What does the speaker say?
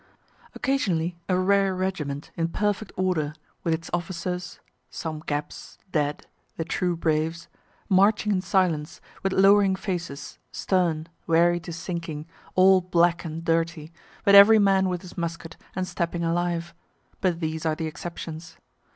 Occasionally, a rare regiment, in perfect order, with its officers (some gaps, dead, the true braves,) marching in silence, with lowering faces, stern, weary to sinking, all black and dirty, but every man with his musket, and stepping alive; but these are the exceptions.